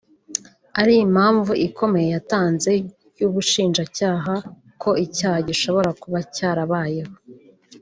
ari impamvu ikomeye yatanzwe n’Ubushinjacyaha ko icyaha gishobora kuba cyarabayeho